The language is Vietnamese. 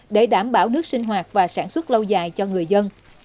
để đảm bảo nước sinh hoạt và sản xuất lâu dài cho người dân